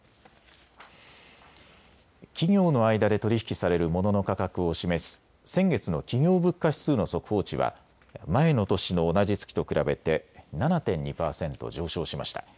企業の間で取り引きされるモノの価格を示す先月の企業物価指数の速報値は前の年の同じ月と比べて７．２％上昇しました。